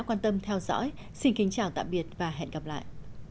quan tâm theo dõi xin kính chào tạm biệt và hẹn gặp lại